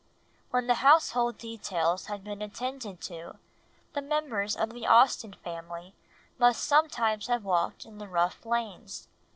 When the household details had been attended to, the members of the Austen family must sometimes have walked in the rough lanes.